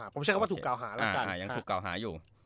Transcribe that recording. ผมใช้คำว่าถูกกล่าวหาแล้วกัน